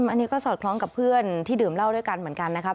อันนี้ก็สอดคล้องกับเพื่อนที่ดื่มเหล้าด้วยกันเหมือนกันนะครับ